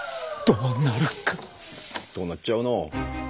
どうなっちゃうの？